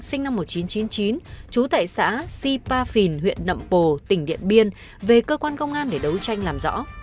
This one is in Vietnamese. sinh năm một nghìn chín trăm chín mươi chín trú tại xã sipa phìn huyện nậm pồ tỉnh điện biên về cơ quan công an để đấu tranh làm rõ